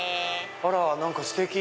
あら何かステキ！